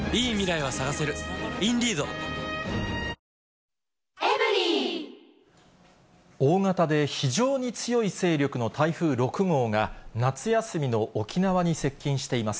ニトリ大型で非常に強い勢力の台風６号が、夏休みの沖縄に接近しています。